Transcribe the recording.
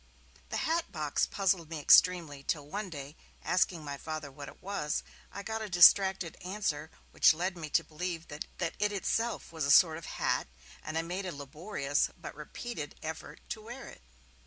The hat box puzzled me extremely, till one day, asking my Father what it was, I got a distracted answer which led me to believe that it was itself a sort of hat, and I made a laborious but repeated effort to wear it.